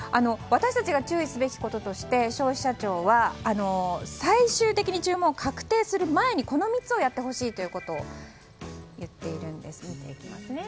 私たちが注意すべきこととして消費者庁は最終的に注文を確定する前にこの３つをやってほしいと言っています。